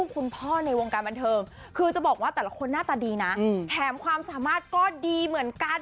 คุณพ่อในวงการบันเทิงคือจะบอกว่าแต่ละคนหน้าตาดีนะแถมความสามารถก็ดีเหมือนกัน